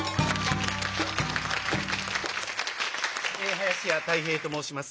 林家たい平と申します。